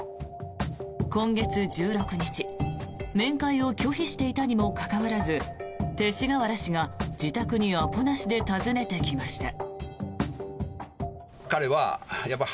今月１６日、面会を拒否していたにもかかわらず勅使河原氏が自宅にアポなしで訪ねてきました。